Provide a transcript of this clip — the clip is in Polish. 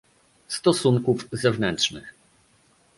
Stosunków Zewnętrznych